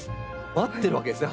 待ってるわけですね